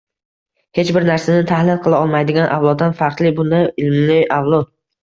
hech bir narsani tahlil qila olmaydigan avloddan farqli bunday ilmli avlod